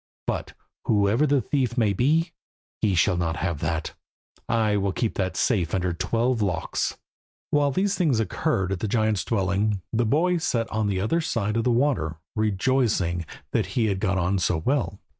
But, whoever the thief may be, he shall not have that; I will keep that safe under twelve locks." While these things occurred at the giant's dwelling, the boy sat on the other side of the water, rejoicing that he had got on so well.